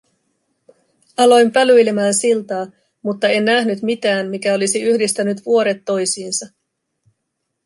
Aloin pälyilemään siltaa, mutta en nähnyt mitään, mikä olisi yhdistänyt vuoret toisiinsa.